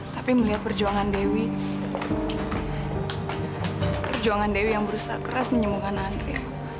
tapi melihat perjuangan dewi perjuangan dewi yang berusaha keras menyembuhkan andri